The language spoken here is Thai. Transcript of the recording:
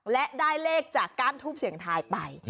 และได้เลขจากการทุบเสียงไทยไป